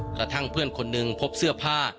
กระทั่งเพื่อนคนหนึ่งพบเสื้อผ้า